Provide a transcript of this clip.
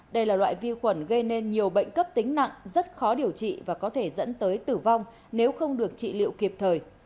đây là loại vi khuẩn gây nên nhiều bệnh cấp tính nặng rất khó điều trị và có thể dẫn tới tử vong nếu không được trị liệu kịp thời